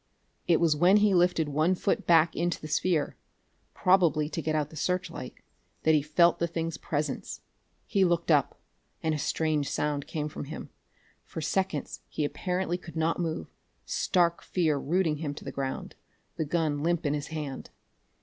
It was when he lifted one foot back into the sphere probably to get out the searchlight that he felt the thing's presence. He looked up and a strange sound came from him. For seconds he apparently could not move, stark fear rooting him to the ground, the gun limp in his hand.